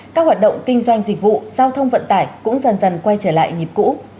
các hoạt động kinh doanh dịch vụ giao thông vận tải cũng dần dần quay trở lại nhịp cũ